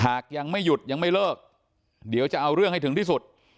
หากยังไม่หยุดยังไม่เลิกเดี๋ยวจะเอาเรื่องให้ถึงที่สุด